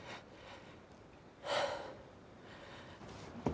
はあ。